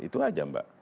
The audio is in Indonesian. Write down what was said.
itu saja mbak